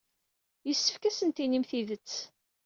Yessefk ad asent-tinim tidet.